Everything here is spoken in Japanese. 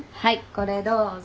これどうぞ。